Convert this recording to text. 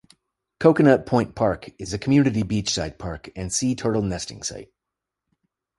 Coconut Point Park is a community beachside park and sea turtle nesting site.